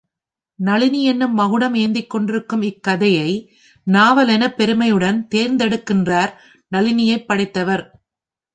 நளினி என்னும் மகுடம் ஏந்திக்கொண்டிருக்கும் இக்கதையை நாவல் எனப் பெருமையுடன் தேர்ந்தெடுக்கின்றார், நளினியைப் படைத்தவர்.